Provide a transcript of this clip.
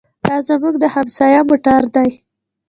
دا زموږ د همسایه موټر دی.